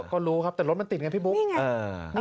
ก็รู้ครับแต่รถมันติดไงพี่บุ๊กนี่ไงเออ